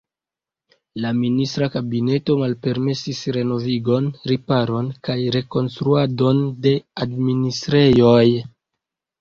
La ministra kabineto malpermesis renovigon, riparon kaj rekonstruadon de administrejoj.